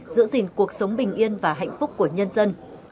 giữ gìn cuộc sống bình yên và hạnh phúc của nhân dân